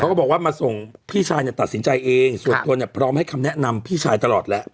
ก็บอกว่ามาส่งพี่ชายเนี่ยตัดสินใจเองส่วนตัวเนี่ยพร้อมให้คำแนะนำพี่ชายตลอดแล้ว